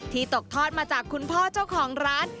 ตกทอดมาจากคุณพ่อเจ้าของร้าน